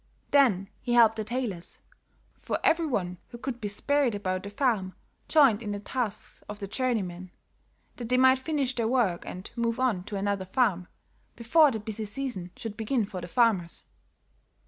Then he helped the tailors, for every one who could be spared about the farm joined in the tasks of the journeymen, that they might finish their work and move on to another farm, before the busy season should begin for the farmers.